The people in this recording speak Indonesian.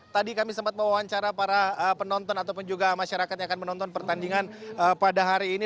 tadi kami sempat mewawancara para penonton ataupun juga masyarakat yang akan menonton pertandingan pada hari ini